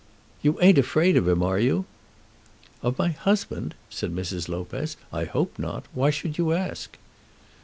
"You ain't afraid of him; are you?" "Of my husband?" said Mrs. Lopez. "I hope not. Why should you ask?"